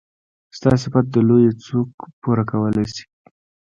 ستا صفت د لويي څوک پوره کولی شي.